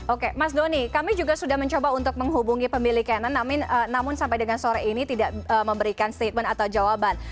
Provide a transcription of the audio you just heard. oke mas doni kami juga sudah mencoba untuk menghubungi pemilik cannon namun sampai dengan sore ini tidak memberikan statement atau jawaban